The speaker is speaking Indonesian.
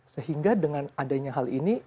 sehingga dengan adanya hal ini